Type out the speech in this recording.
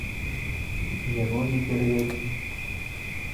І яго не перавялі.